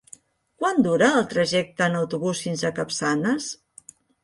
Quant dura el trajecte en autobús fins a Capçanes?